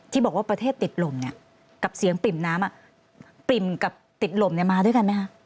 ที่บอกว่าประเทศติดลมเนี่ยกับเสียงปริ่มน้ำปิ่มกับติดลมเนี่ยมาด้วยกันไหมคะ